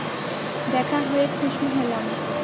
দেখা হয়ে খুশি হলাম।